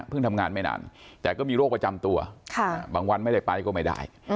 ทำงานไม่นานแต่ก็มีโรคประจำตัวบางวันไม่ได้ไปก็ไม่ได้